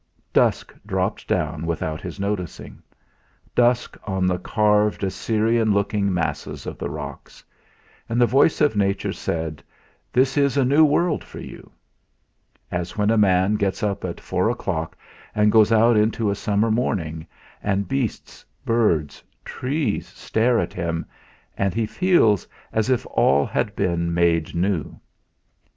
Dusk dropped down without his noticing dusk on the carved, Assyrian looking masses of the rocks. And the voice of Nature said: "This is a new world for you!" As when a man gets up at four o'clock and goes out into a summer morning, and beasts, birds, trees stare at him and he feels as if all had been made new.